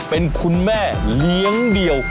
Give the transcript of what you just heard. เป็นคุณแม่เลี้ยงเดี่ยว